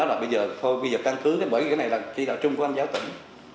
nó là bây giờ thôi bây giờ căng thướng bởi cái này là chỉ đạo trung của anh giáo tỉnh